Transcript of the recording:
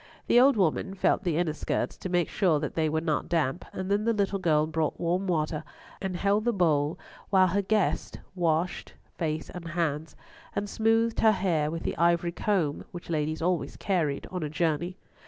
The old woman felt the inner skirts, to make sure that they were not damp, and then the little girl brought warm water, and held the bowl while her guest washed face and hands, and smoothed her hair with the ivory comb which ladies always carried on a journey.